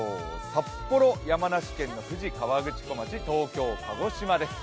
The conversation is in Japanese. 札幌、山梨、富士河口湖町東京、鹿児島です。